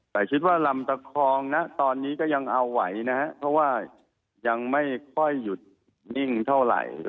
แต่คิดว่าลำตะคองนะตอนนี้ก็ยังเอาไหวนะครับเพราะว่ายังไม่ค่อยหยุดนิ่งเท่าไหร่